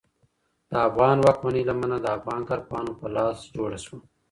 د افغان واکمنۍ لمنه د افغان کارپوهانو په لاس جوړه شوه.